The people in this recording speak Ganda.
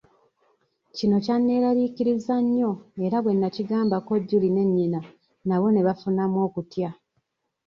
Kino kyanneraliikiriza nnyo era bwe nakigambako Julie ne nnyina nabo ne bafunamu okutya.